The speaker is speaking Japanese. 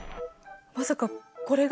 まさかこれが？